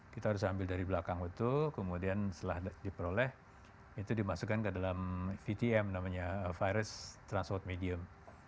kita harus ambil dari belakang itu kemudian setelah diperoleh itu dimasukkan ke dalam vtm namanya virus transward medium